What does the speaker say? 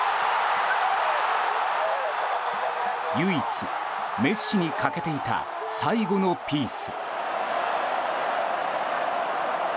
唯一、メッシに欠けていた最後のピース。